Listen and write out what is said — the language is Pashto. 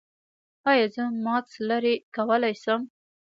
ایا زه ماسک لرې کولی شم؟